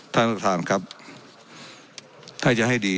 ท่านประธานครับถ้าจะให้ดี